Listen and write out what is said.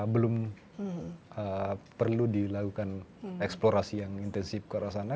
belum perlu dilakukan eksplorasi yang intensif ke arah sana